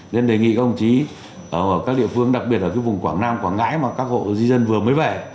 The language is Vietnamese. nên đề nghị các ông chí ở các địa phương đặc biệt ở vùng quảng nam quảng ngãi mà các hộ di dân vừa mới về